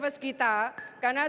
kami datang keima com